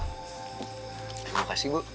terima kasih bu